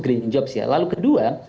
green jobs ya lalu kedua